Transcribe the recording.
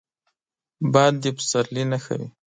باد د پسرلي نښه وي